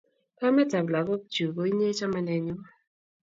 Kametap lakak chu ko inye chamanenyu